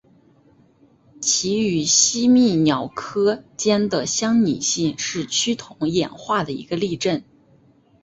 其与吸蜜鸟科间的相拟性是趋同演化的一个例证。